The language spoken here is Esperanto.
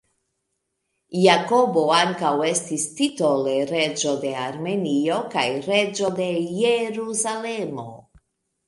Jakobo ankaŭ estis titole reĝo de Armenio kaj reĝo de Jerusalemo.